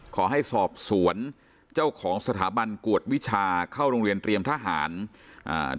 ขอให้สอบสวนเจ้าของสถาบันกวดวิชาเข้าโรงเรียนเตรียมทหารอ่า